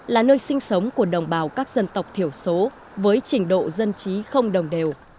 là nơi sinh sống của đồng bào các dân tộc thiểu số với trình độ dân trí không đồng đều